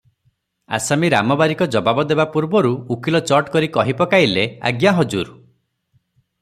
ଆସାମୀ ରାମବାରିକ ଜବାବ ଦେବାପୂର୍ବରୁ ଉକୀଲ ଚଟ୍ କରି କହି ପକାଇଲେ, "ଆଜ୍ଞା ହଜୁର!